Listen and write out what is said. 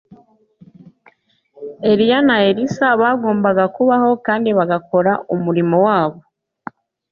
Eliya na Elisa bagombaga kubaho kandi bagakora umurimo wabo